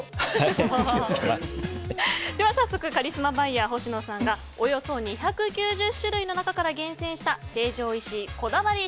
早速、カリスマバイヤー星野さんがおよそ２９０種類の中から厳選した成城石井こだわり